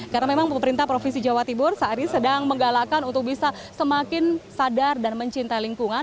karena memang pemerintah provinsi jawa timur saat ini sedang menggalakkan untuk bisa semakin sadar dan mencintai lingkungan